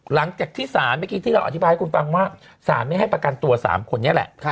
หลังจากที่สารเมื่อกี้ที่เราอธิบายให้คุณฟังว่าสารไม่ให้ประกันตัว๓คนนี้แหละ